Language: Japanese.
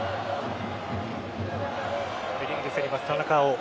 ヘディングで競ります、田中碧。